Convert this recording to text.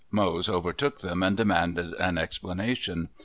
Mose overtook them and demanded an explanation.